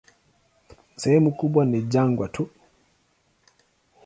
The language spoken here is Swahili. Sehemu kubwa ni jangwa tu.